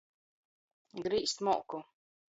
Grīzt molku.